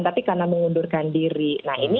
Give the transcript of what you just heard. tapi karena mengundurkan diri nah ini